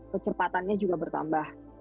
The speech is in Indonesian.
kecepatannya juga bertambah